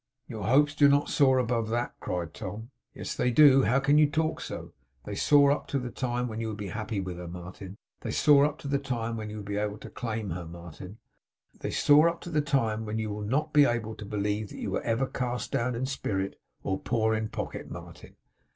'Your hopes do not soar above that!' cried Tom. 'Yes they do. How can you talk so! They soar up to the time when you will be happy with her, Martin. They soar up to the time when you will be able to claim her, Martin. They soar up to the time when you will not be able to believe that you were ever cast down in spirit, or poor in pocket, Martin.